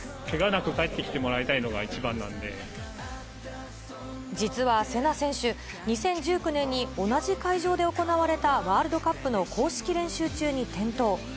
けがなく帰ってきてもらいた実はせな選手、２０１９年に、同じ会場で行われたワールドカップの公式練習中に転倒。